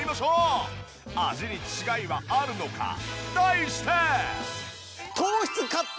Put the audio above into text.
味に違いはあるのか題して。